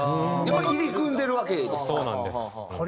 やっぱり入り組んでるわけですか。